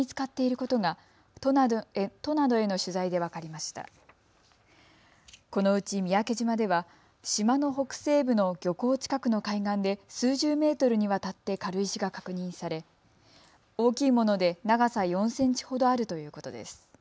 このうち三宅島では島の北西部の漁港近くの海岸で数十メートルにわたって軽石が確認され大きいもので長さ４センチほどあるということです。